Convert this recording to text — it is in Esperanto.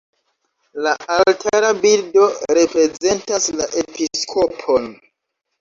La altara bildo prezentas la episkopon.